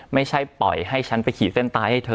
ไม่ใช่ปล่อยให้ฉันไปขี่เส้นตายให้เธอ